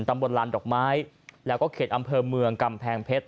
ตำบลลานดอกไม้แล้วก็เขตอำเภอเมืองกำแพงเพชร